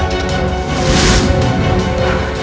kau pikir aku takut